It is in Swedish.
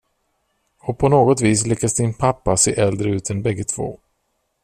Och på något vis lyckas din pappa se äldre ut än bägge två.